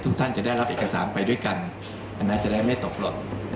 ทุกท่านจะได้รับเอกสารไปด้วยกันอันนั้นจะได้ไม่ตกหล่น